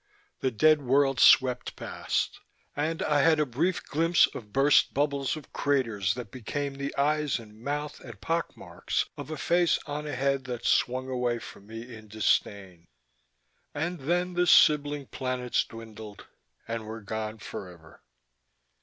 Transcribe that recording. The dead world swept past, and I had a brief glimpse of burst bubbles of craters that became the eyes and mouth and pock marks of a face on a head that swung away from me in disdain and then the sibling planets dwindled and were gone forever.